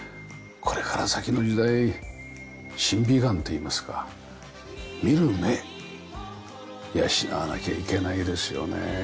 これから先の時代審美眼といいますか「見る目」養わなきゃいけないですよね。